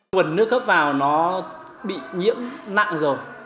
nguồn nước hấp vào nó bị nhiễm nặng rồi